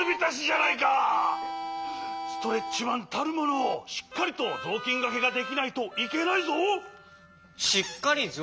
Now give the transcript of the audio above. ストレッチマンたるものしっかりとぞうきんがけができないといけないぞ。